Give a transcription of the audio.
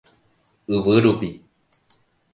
Yvy rupi.